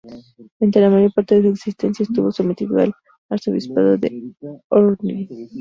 Durante la mayor parte de su existencia, estuvo sometido al arzobispado de Ohrid.